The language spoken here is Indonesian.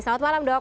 selamat malam dok